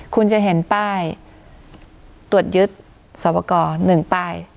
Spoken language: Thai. คุณจะเห็นป้ายตรวจยึดสอปอกอร์หนึ่งป้าย